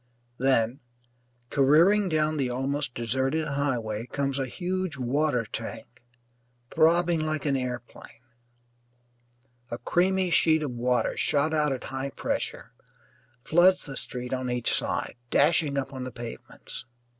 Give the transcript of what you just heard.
Then, careering down the almost deserted highway, comes a huge water tank, throbbing like an airplane. A creamy sheet of water, shot out at high pressure, floods the street on each side, dashing up on the pavements.